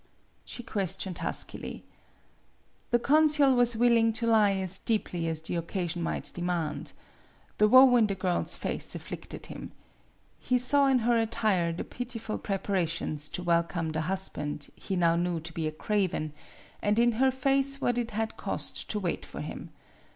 she questioned huskily. The consul was willing to lie as deeply as the occasion might demand. The woe in the 78 MADAME BUTTERFLY girl's face afflicted him. He saw in her at tire the pitiful preparations to welcome the husband he now knew to be a craven, and in her face what it had cost to wait for him.